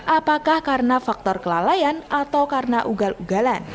apakah karena faktor kelalaian atau karena ugal ugalan